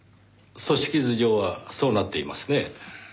組織図上はそうなっていますねぇ。